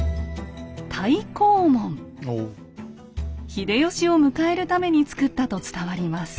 秀吉を迎えるために作ったと伝わります。